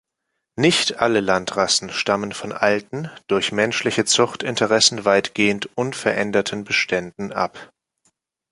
Nicht alle Landrassen stammen von alten, durch menschliche Zuchtinteressen weitgehend unveränderten Beständen ab.